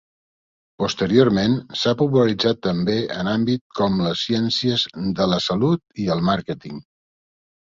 Posteriorment s'ha popularitzat també en àmbit com les ciències de la salut i el màrqueting.